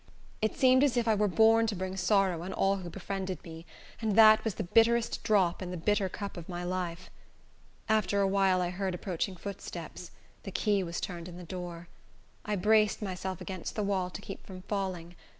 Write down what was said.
It seemed as if I were born to bring sorrow on all who befriended me, and that was the bitterest drop in the bitter cup of my life. After a while I heard approaching footsteps; the key was turned in my door. I braced myself against the wall to keep from falling.